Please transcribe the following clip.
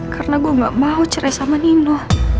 karena gue gak mau cerai sama nino